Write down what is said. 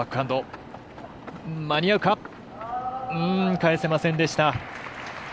返せませんでした。